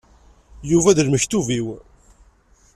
Yuba d lmektub-iw.